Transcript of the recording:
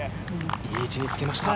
いい位置につけました。